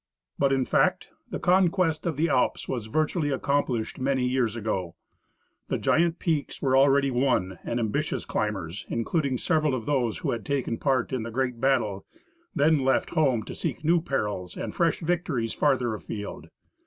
But, in fact, the conquest of the Alps was virtually accomplished many years ago. The giant peaks were already won, and ambitious climbers, including several of those who had taken part in the great battle, then left home to seek new perils and fresh victories farther afield.